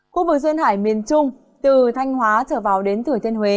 khu vực duyên hải miền trung từ thanh hóa trở vào đến thủy hải